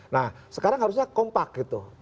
nah sekarang harusnya kompak gitu